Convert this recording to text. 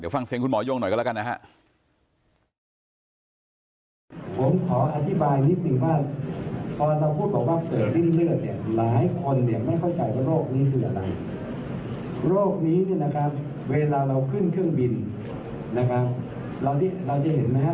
ฟังเสียงคุณหมอยงหน่อยกันแล้วกันนะฮะ